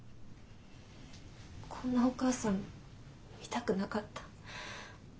こんなお母さん見たくなかった。